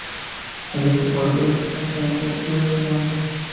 El Aeropuerto de Paysandú lleva su nombre.